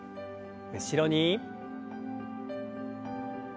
後ろに。